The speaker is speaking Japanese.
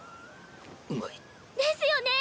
うまい。ですよね！